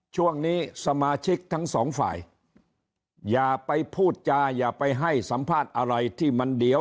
ช่วงนี้สมาชิกทั้งสองฝ่ายอย่าไปพูดจาอย่าไปให้สัมภาษณ์อะไรที่มันเดี๋ยว